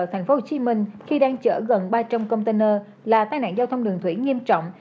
thành phố hồ chí minh khi đang chở gần ba trăm linh container là tai nạn giao thông đường thủy nghiêm trọng